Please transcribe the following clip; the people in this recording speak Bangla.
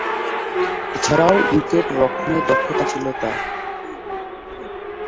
এছাড়াও, উইকেট-রক্ষণে দক্ষতা ছিল তার।